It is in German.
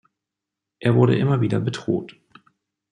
Er wurde immer wieder bedroht.